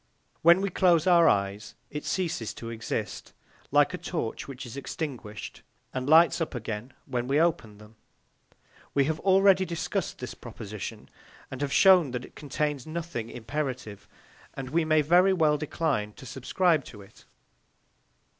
When we close our eyes, it ceases to exist, like a torch which is extinguished, and lights up again when we open them. We have already discussed this proposition, and have shown that it contains nothing imperative; and we may very well decline to subscribe to it.